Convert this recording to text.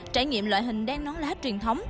trải nghiệm loại hình đen nón lá truyền thống